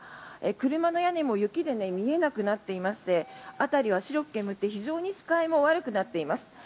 車の屋根も雪で見えなくなっていまして辺りは白く煙って非常に視界も悪くなっています。